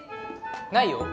ないよ